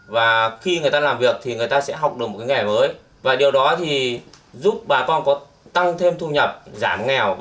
và khi người ta làm việc thì người ta sẽ học được một cái nghề mới và điều đó thì giúp bà con có tăng thêm thu nhập giảm nghèo